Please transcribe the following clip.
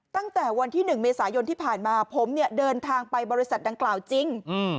ตั้งแต่วันที่๑เมษายนที่ผ่านมาผมเนี่ยเดินทางไปบริษัทดังกล่าวจริง